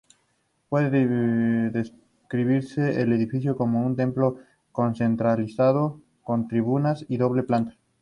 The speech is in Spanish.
Puede describirse el edificio como un templo centralizado, con tribunas y doble planta.